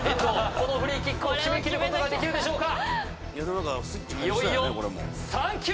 このフリーキックを決めきることができるでしょうか？